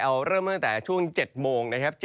เอาเริ่มตั้งแต่ช่วง๗โมงนะครับ